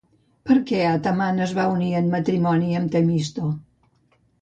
Per què Atamant es va unir en matrimoni amb Temisto?